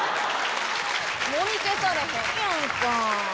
もみ消されへんやんか。